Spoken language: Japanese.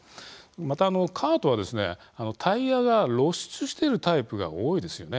また、カートはタイヤが露出しているタイプが多いですよね。